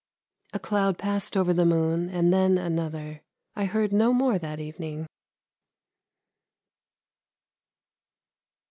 A cloud passed over the moon, and then another; I heard no more that evening.